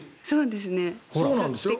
そうですね。